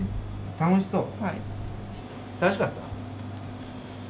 楽しそう！